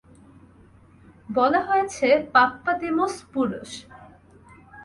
বলা হয়েছিল পাপ্পাদিমোস পুরুষ।